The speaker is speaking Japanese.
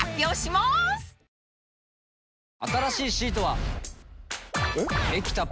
新しいシートは。えっ？